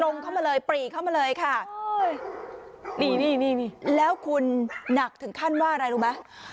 นี่แล้วคุณหนักถึงขั้นว่าอะไรรู้มั้ย